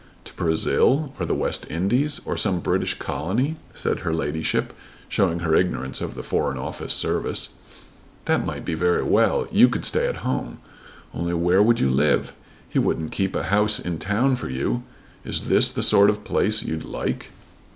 To Brazil, or the West Indies, or some British Colony," said her ladyship showing her ignorance of the Foreign Office service. "That might be very well. You could stay at home. Only where would you live? He wouldn't keep a house in town for you. Is this the sort of place you'd like?"